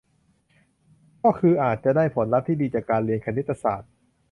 ก็คืออาจจะได้ผลลัพธ์ที่ดีจากการเรียนคณิตศาสตร์